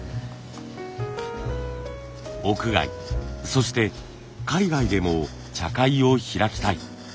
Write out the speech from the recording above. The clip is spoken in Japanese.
屋外そして海外でも茶会を開きたい。